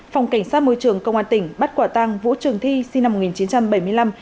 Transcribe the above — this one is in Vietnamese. phòng cảnh sát môi trường công an tỉnh bắt quả tăng vũ trường thi sinh năm một nghìn chín trăm bảy mươi năm